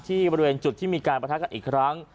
บริเวณจุดที่มีการประทะกันอีกครั้ง